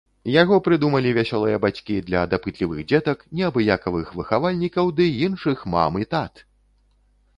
Яго прыдумалі вясёлыя бацькі для дапытлівых дзетак, неабыякавых выхавальнікаў ды іншых мам і тат!